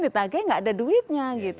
ditage enggak ada duitnya gitu